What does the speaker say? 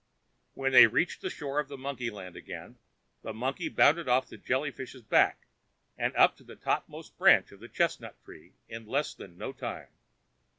When they reached the shore of monkey land again, the monkey bounded off the Jelly fish's back, and up to the topmost branch of the chestnut tree in less than no time.